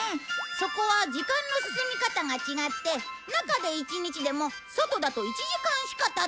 そこは時間の進み方が違って中で１日でも外だと１時間しか経っていないんだ。